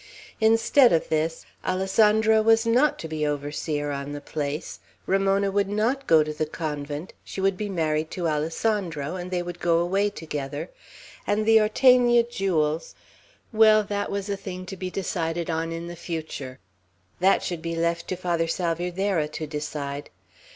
Instead of this, Alessandro was not to be overseer on the place; Ramona would not go to the convent: she would be married to Alessandro, and they would go away together; and the Ortegna jewels, well, that was a thing to be decided in the future; that should be left to Father Salvierderra to decide.